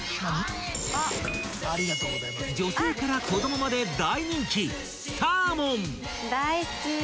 ［女性から子供まで大人気］